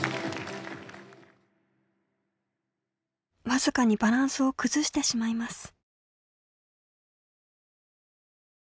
僅かにバランスを崩してしまいます。